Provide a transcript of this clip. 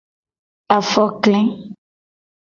Afokle.